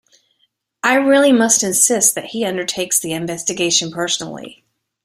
I really must insist that he undertakes the investigation personally.